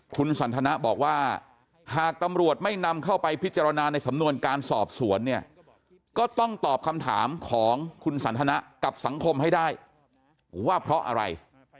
คุณสันทนะบอกว่าหากตำรวจไม่นำเข้าไปพิจารณาในสำนวนการสอบสวนเนี่ยก็ต้องตอบคำถามของคุณสันทนะกับสังคมให้ได้ว่าเพราะอะไร